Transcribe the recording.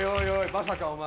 まさかお前。